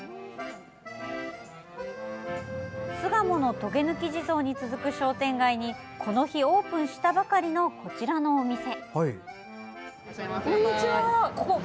巣鴨のとげぬき地蔵に続く商店街にこの日オープンしたばかりのこちらのお店。